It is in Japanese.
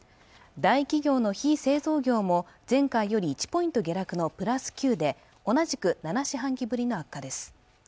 大企業の非製造業も前回より１ポイント下落のプラス９で同じく７四半期ぶりの悪化です